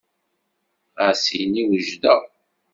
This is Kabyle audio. Ɣas ini wejdeɣ.